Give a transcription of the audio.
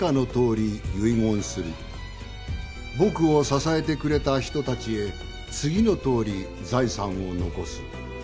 「僕を支えてくれた人たちへ次のとおり財産を残す」